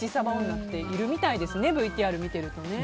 女っているみたいですねＶＴＲを見てるとね。